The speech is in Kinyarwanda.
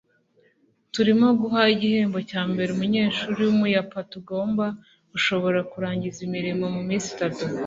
turimo guha igihembo cyambere umunyeshuri wumuyapatugomba gushobora kurangiza imirimo muminsi itanu